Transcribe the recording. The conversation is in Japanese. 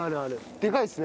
でかいですね。